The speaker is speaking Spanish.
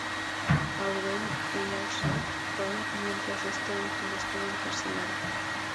Auden y Ezra Pound mientras este último estuvo encarcelado.